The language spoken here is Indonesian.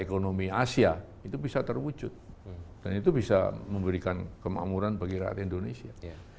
ekonomi asia itu bisa terwujud dan itu bisa memberikan kemakmuran bagi rakyat indonesia